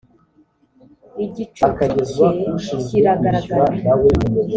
igicucu cye kiragaragara